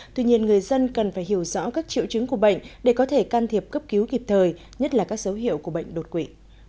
tuy nhiên người dân cần phải hiểu rõ các triệu chứng của bệnh để có thể can thiệp cấp cứu kịp thời nhất là các dấu hiệu của bệnh đột quỵ